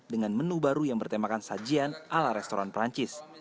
dengan menu baru yang bertemakan sajian ala restoran perancis